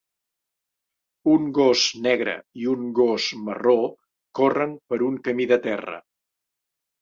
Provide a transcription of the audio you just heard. Un gos negre i un gos marró corren per un camí de terra.